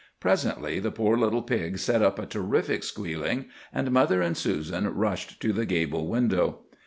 Presently the poor little pig set up a terrific squealing, and mother and Susan rushed to the gable window.